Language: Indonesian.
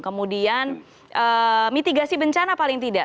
kemudian mitigasi bencana paling tidak